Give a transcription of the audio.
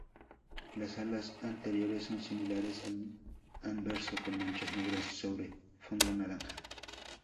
Las alas anteriores son similares al anverso, con manchas negras sobre fondo naranja.